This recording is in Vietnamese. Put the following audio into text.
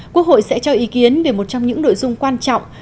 quốc hội sẽ cho ý kiến về một trong những nội dung quan trọng